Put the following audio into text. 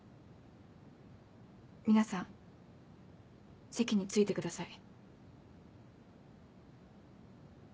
皆さん席に着いてください。